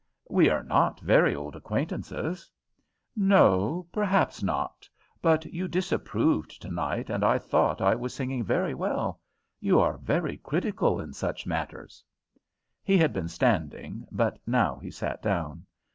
We are not very old acquaintances." "No, perhaps not. But you disapproved tonight, and I thought I was singing very well. You are very critical in such matters?" He had been standing, but now he sat down.